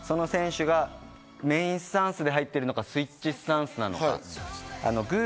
あとはその選手がメインスタンスで入っているのか、スイッチスタンスなのか。